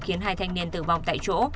khiến hai thanh niên tử vong tại chỗ